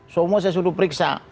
semua saya suruh periksa